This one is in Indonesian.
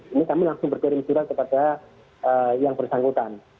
ini kami langsung berkirim surat kepada yang bersangkutan